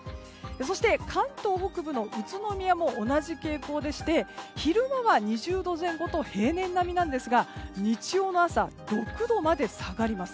そして関東北部の宇都宮も同じ傾向でして昼間は２０度前後と平年並みなんですが日曜の朝は６度まで下がります。